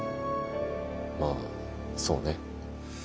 まあそうね。